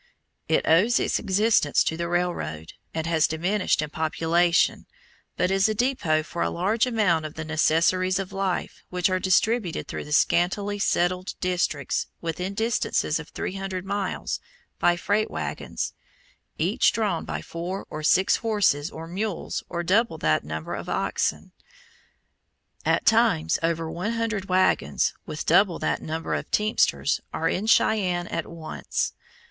It owes its existence to the railroad, and has diminished in population, but is a depot for a large amount of the necessaries of life which are distributed through the scantily settled districts within distances of 300 miles by "freight wagons," each drawn by four or six horses or mules, or double that number of oxen. At times over 100 wagons, with double that number of teamsters, are in Cheyenne at once.